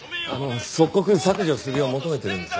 即刻削除するよう求めてるんですが。